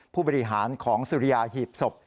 ผู้บริหารของสุริยาหีบศพ